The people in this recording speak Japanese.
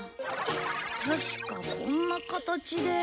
確かこんな形で。